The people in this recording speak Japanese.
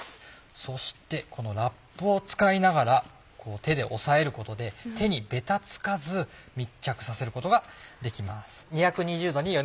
そしてこのラップを使いながら手で押さえることで手にべたつかず密着させることができます。